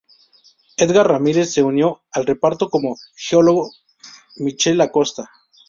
Édgar Ramírez se unió al reparto como el geólogo Michael Acosta.